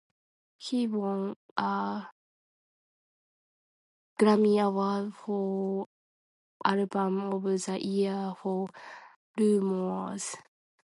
He won a Grammy Award for Album of the Year for "Rumours".